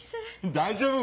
大丈夫！